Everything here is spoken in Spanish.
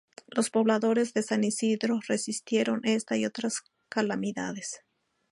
Los pobladores de San Isidro resistieron esta y otras calamidades.